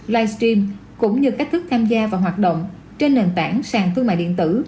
live stream cũng như cách thức tham gia và hoạt động trên nền tảng sản thương mại điện tử